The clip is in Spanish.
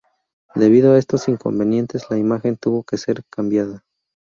Debido a estos inconvenientes, la imagen tuvo que ser cambiada.